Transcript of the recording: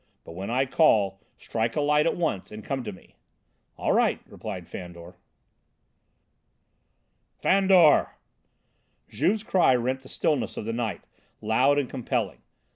But when I call, strike a light at once and come to me." "All right," replied Fandor. "Fandor!" Juve's cry rent the stillness of the night, loud and compelling.